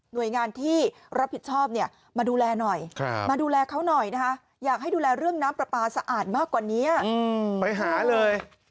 หน่วยงานที่รับผิดชอบเนี่ยมาดูแลหน่อย